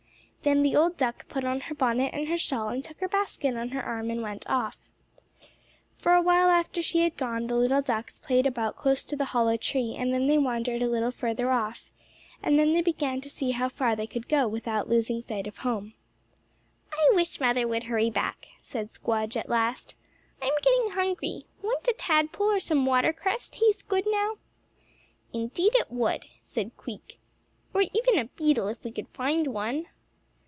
Then the old duck put on her bonnet and her shawl, and took her basket on her arm and started off. For awhile after she had gone the little ducks played about close to the hollow tree, and then they wandered a little further off, and then they began to see how far they could go without losing sight of home. "I wish mother would hurry back," said Squdge at last, "I'm getting hungry. Wouldn't a tadpole or some watercress taste good now!" "Indeed it would," said Queek. "Or even a beetle if we could find one."